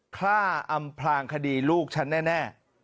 ฆ่าอำพลางคดีลูกฉันแน่